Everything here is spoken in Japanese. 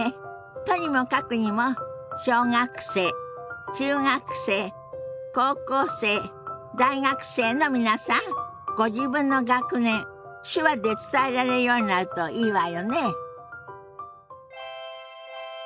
とにもかくにも小学生中学生高校生大学生の皆さんご自分の学年手話で伝えられるようになるといいわよね。